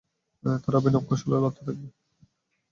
তারা অভিনব কৌশলে লড়তে থাকবে।